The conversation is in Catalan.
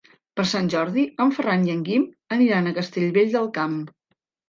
Per Sant Jordi en Ferran i en Guim aniran a Castellvell del Camp.